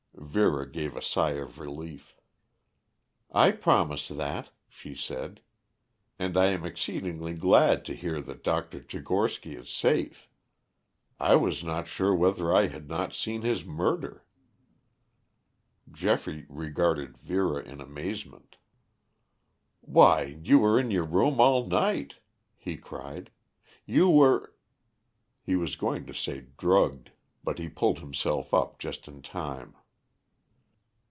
Vera gave a sigh of relief. "I promise that," she said. "And I am exceedingly glad to hear that Dr. Tchigorsky is safe. I was not sure whether I had not seen his murder." Geoffrey regarded Vera in amazement. "Why, you were in your room all night," he cried. "You were " He was going to say "drugged," but he pulled himself up just in time.